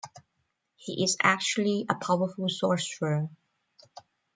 He is actually a powerful sorcerer.